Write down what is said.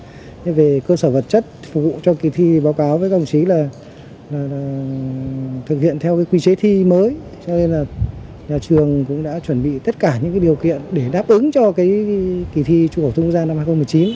thứ hai là về cơ sở vật chất phục vụ cho kỳ thi báo cáo với công chí là thực hiện theo quy chế thi mới cho nên là nhà trường cũng đã chuẩn bị tất cả những điều kiện để đáp ứng cho kỳ thi trung học thương gia năm hai nghìn một mươi chín